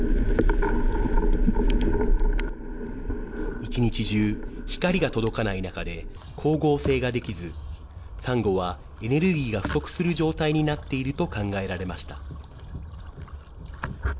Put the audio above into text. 一日中、光が届かない中で、光合成ができず、サンゴはエネルギーが不足する状態になっていると考えられました。